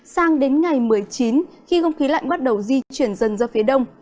sang đến ngày một mươi chín khi không khí lạnh bắt đầu di chuyển dần ra phía đông